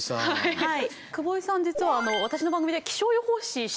はい。